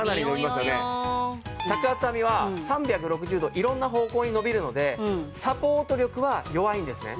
着圧編みは３６０度色んな方向に伸びるのでサポート力は弱いんですね。